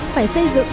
phải xây dựng